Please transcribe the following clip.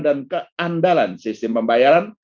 dan keandalan sistem pembayaran